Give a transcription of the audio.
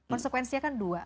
konsekuensinya kan dua